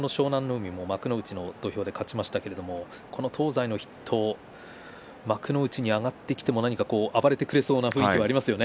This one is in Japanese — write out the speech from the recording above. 海も幕内の土俵で勝ちましたけれどもこの東西の筆頭幕内に上がってきても何か暴れてくれそうな雰囲気がありますよね。